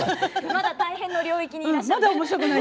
まだ大変の領域にいらっしゃる。